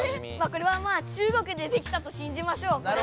これはまあ中国でできたとしんじましょう。